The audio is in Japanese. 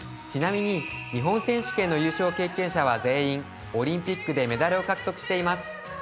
ちなみに日本選手権での優勝者は全員オリンピックでメダルを獲得しています。